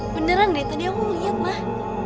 beneran deh tadi aku ngeliat mah